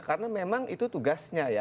karena memang itu tugasnya ya